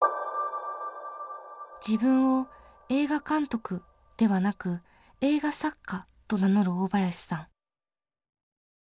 自分を「映画監督」ではなく「映画作家」と名乗る大林さん。